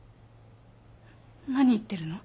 何言ってるの？